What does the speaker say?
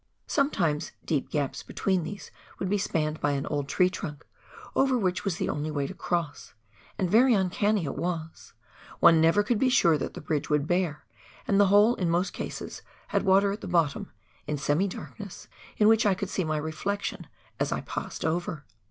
Sometimes deep gaps between these would be spanned by an old tree trunk, over which was the only way to cross — and very uncanny it was ; one never could be sure that the bridge would bear, and the hole in most cases had water at the bottom, in semi darkness, in which I could see my reflection as I passed over.